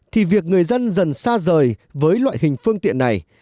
thì việc người dân dần xa rời với loại hình phương tiện này